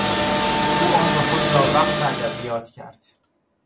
او عمر خود را وقف ادبیات کرد.